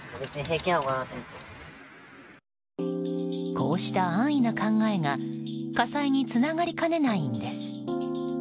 こうした安易な考えが火災につながりかねないんです。